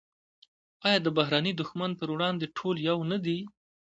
آیا د بهرني دښمن پر وړاندې ټول یو نه دي؟